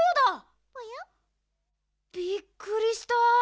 びっくりした。